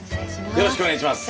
よろしくお願いします。